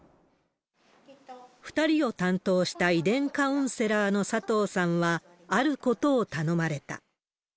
２人を担当した遺伝カウンセラーの佐藤さんは、あることを頼まれた。